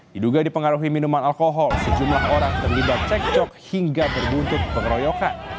diduga dipengaruhi minuman alkohol sejumlah orang terlibat cekcok hingga berbuntut pengeroyokan